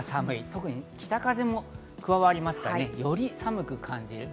特に北風も加わりますから、より寒く感じる。